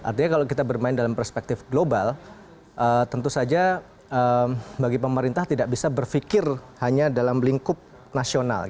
artinya kalau kita bermain dalam perspektif global tentu saja bagi pemerintah tidak bisa berpikir hanya dalam lingkup nasional